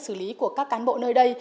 xử lý của các cán bộ nơi đây